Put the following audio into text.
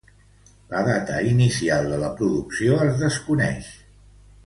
La data inicial de la producció es desconeix.